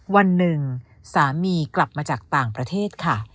วันหนึ่งสามีกลับมาจากต่างประเทศค่ะ